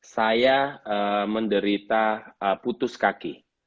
saya menderita putus kaki